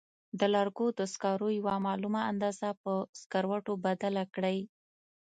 د لرګو د سکرو یوه معلومه اندازه په سکروټو بدله کړئ.